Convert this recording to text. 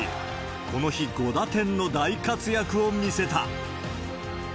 この日、５打点の大活躍を見せた。